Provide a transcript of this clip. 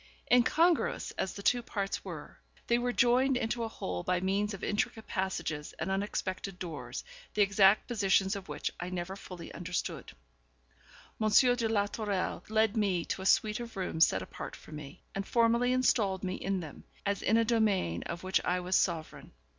Incongruous as the two parts were, they were joined into a whole by means of intricate passages and unexpected doors, the exact positions of which I never fully understood. M. de la Tourelle led me to a suite of rooms set apart for me, and formally installed me in them, as in a domain of which I was sovereign.